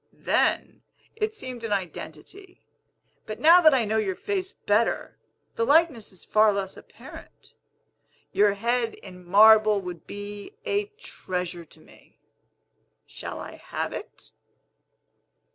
Then, it seemed an identity; but now that I know your face better, the likeness is far less apparent. Your head in marble would be a treasure to me. Shall I have it?"